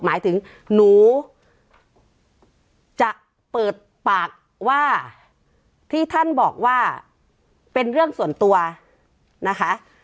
หมายถึงหนูจะเปิดปากว่าที่ท่านบอกว่าเป็นเรื่องส่วนตัวนะคะ